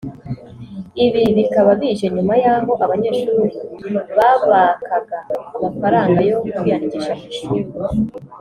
Ibi bikaba bije nyuma yaho abanyeshuri babakaga amafangaranga yo kwiyandikisha ku ishuli